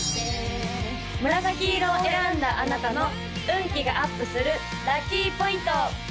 紫色を選んだあなたの運気がアップするラッキーポイント！